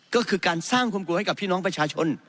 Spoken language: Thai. ก็คือการสร้างความกลัวให้กับพี่น้องประชาชน